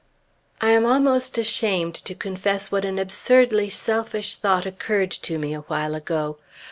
I am almost ashamed to confess what an absurdly selfish thought occurred to me a while ago.